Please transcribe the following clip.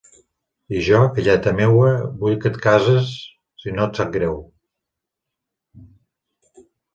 I jo, filleta meua, vull que et cases, si no et sap greu.